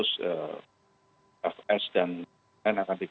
nah sidang akan dilanjutkan lagi minggu depan ini ya